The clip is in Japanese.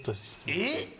えっ！？